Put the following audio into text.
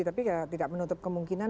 tapi tidak menutup kemungkinan